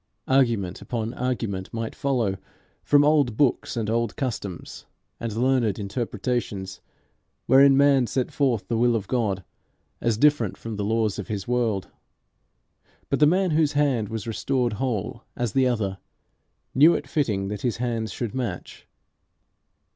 Argument upon argument might follow from old books and old customs and learned interpretations, wherein man set forth the will of God as different from the laws of his world, but the man whose hand was restored whole as the other, knew it fitting that his hands should match.